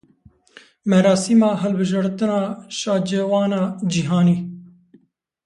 Merasîma hilbijartina şaciwana cîhanî.